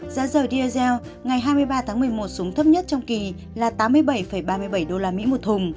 giá dầu diesel ngày hai mươi ba tháng một mươi một xuống thấp nhất trong kỳ là tám mươi bảy ba mươi bảy usd một thùng